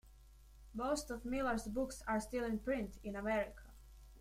Most of Millar's books are still in print in America.